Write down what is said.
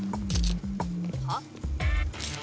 はっ？